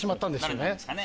誰なんですかね？